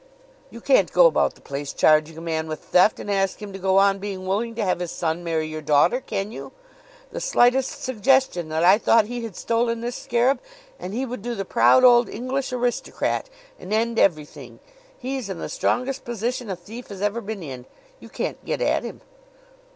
You can't go about the place charging a man with theft and ask him to go on being willing to have his son marry your daughter, can you? The slightest suggestion that I thought he had stolen this scarab and he would do the Proud Old English Aristocrat and end everything. He's in the strongest position a thief has ever been in. You can't get at him."